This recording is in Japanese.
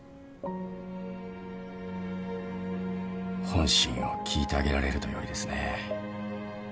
本心を聞いてあげられるとよいですね。